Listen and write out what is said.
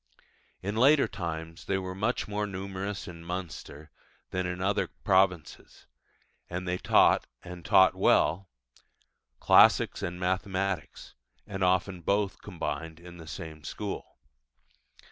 In later times they were much more numerous in Munster than in the other provinces; and they taught and taught well classics and mathematics; and often both combined in the same school.